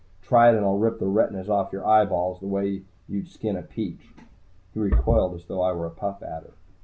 "Try it and I'll rip the retinas off your eyeballs the way you'd skin a peach!" He recoiled as though I were a Puff Adder.